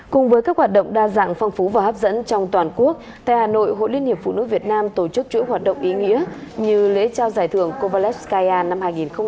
cùng với các hoạt động đa dạng phong phú và hấp dẫn trong toàn quốc tại hà nội hội liên hiệp phụ nữ việt nam tổ chức chuỗi hoạt động ý nghĩa như lễ trao giải thưởng kovalev skyyar năm hai nghìn hai mươi bốn